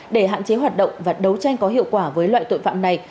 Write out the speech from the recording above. để hạn chế hoạt động và đấu tranh có hiệu quả với loại tội phạm này